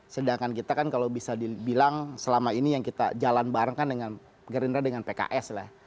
sedangkan kita kan kalau bisa dibilang selama ini yang kita jalan bareng kan dengan gerindra dengan pks lah